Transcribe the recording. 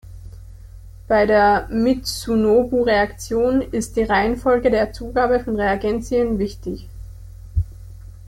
Bei der Mitsunobu-Reaktion ist die Reihenfolge der Zugabe von Reagenzien wichtig.